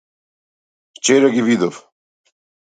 Вчера ги видов.